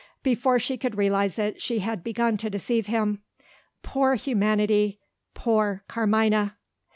Before she could realise it, she had begun to deceive him. Poor humanity! poor Carmina!